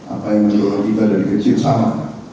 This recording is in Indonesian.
apa yang menolong kita dari kecil sama